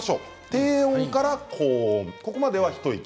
低音から高音、ここまでは一息。